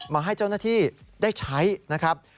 มาให้เจ้าหน้าที่ได้ใช้นะครับ